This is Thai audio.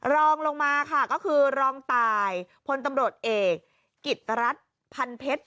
รองลงมาค่ะก็คือรองตายพลตำรวจเอกกิจรัฐพันเพชร